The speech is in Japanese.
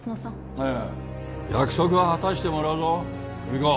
ああ約束は果たしてもらうぞ久美子